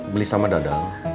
beli sama dadang